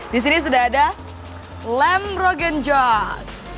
disini sudah ada lamb roggen jaws